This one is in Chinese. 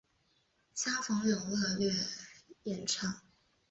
相逢有乐町演唱。